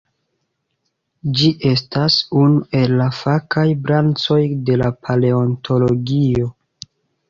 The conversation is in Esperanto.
Ĝi estas unu el la fakaj branĉoj de la paleontologio.